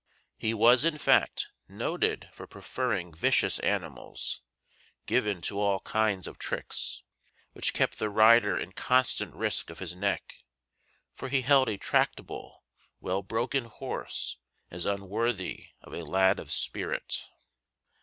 He was, in fact, noted for preferring vicious animals, given to all kinds of tricks, which kept the rider in constant risk of his neck, for he held a tractable, well broken horse as unworthy of a lad of spirit.